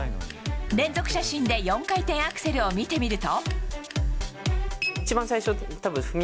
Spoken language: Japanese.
連続写真で４回転アクセルを見てみると。